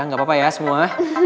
nggak apa apa ya semua